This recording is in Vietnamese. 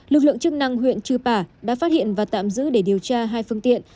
lực lượng chức năng huyện chư pả đã phát hiện và tạm giữ để điều tra hai phương tiện